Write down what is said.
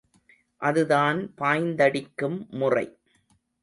அதுதான் பாய்ந்தடிக்கும் முறை.